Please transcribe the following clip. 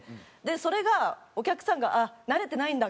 それがお客さんが「慣れてないんだ。